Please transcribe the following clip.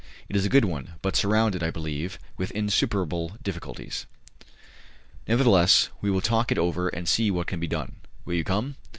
It is a good one, but surrounded, I believe, with insuperable difficulties. Nevertheless, we will talk it over and see what can be done. Will you come?"